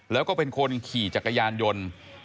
แล้วก็เป็นคนขี่จักรยานยนต์